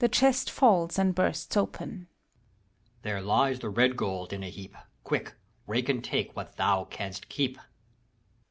(The chest falls and bursts open,) HAVEQUICK. There lies the red gold in a heap ! Quick, rake and take what thou canst keep